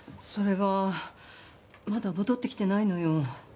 それがまだ戻ってきてないのよ。